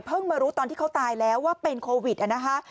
มารู้ตอนที่เขาตายแล้วว่าเป็นโควิดนะคะ